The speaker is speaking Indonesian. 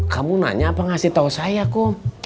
kamu nanya apa ngasih tau saya kok